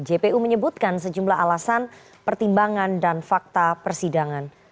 jpu menyebutkan sejumlah alasan pertimbangan dan fakta persidangan